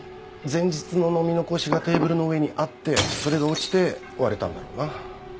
前日の飲み残しがテーブルの上にあってそれが落ちて割れたんだろうな。